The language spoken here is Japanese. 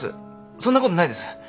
そんなことないです